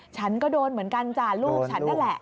ฉันก็โดนเหมือนกันจ้ะลูกฉันนั่นแหละ